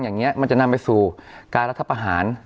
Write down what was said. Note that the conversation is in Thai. อย่างนี้มันจะนำไปสู่การรัฐประหาร